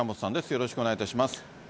よろしくお願いします。